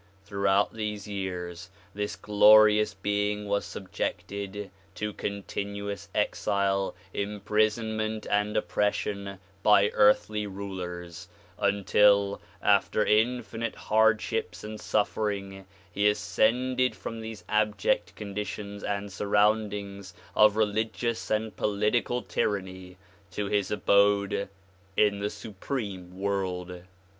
Throughout these years this glorious being was subjected to continuous exile, imprisonment and oppression by earthly rulers until after infinite hardships and suffering he ascended from these abject conditions and surroundings of religious and political tyranny to his abode in the supreme world.